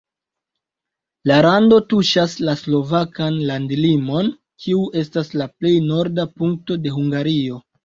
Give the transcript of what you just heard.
La rando tuŝas la slovakan landlimon, kiu estas la plej norda punkto de Hungario.